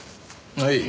はい。